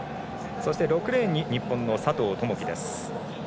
そして６レーンに日本の佐藤友祈。